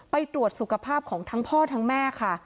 ไปตรวจสุขภาพของทั้งพ่อทั้งแม่ค่ะ